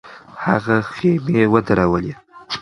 هغه خېمې ودرولې.